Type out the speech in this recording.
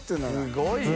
すごいよ。